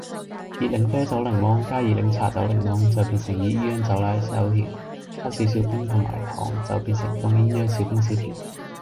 熱檸啡走檸檬加熱檸茶走檸檬就變成熱鴛鴦走奶走甜，加少少冰同埋糖就變成凍鴛鴦少冰少甜